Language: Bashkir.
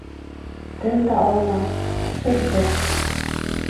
Тын да алма, шым тор.